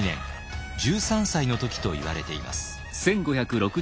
１３歳の時といわれています。